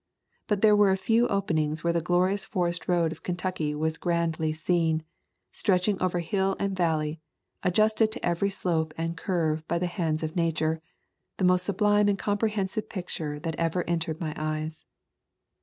But there were a few openings where the glorious forest road of Ken tucky was grandly seen, stretching over hill and valley, adjusted to every slope and curve by the hands of Nature — the most sublime and comprehensive picture that ever entered my eyes.